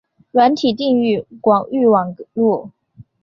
软体定义广域网路。